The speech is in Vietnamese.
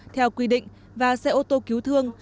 theo quy định và xe ô tô cứu thương